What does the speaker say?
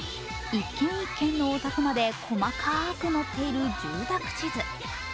１軒１軒のお宅まで細かく載っている住宅地図。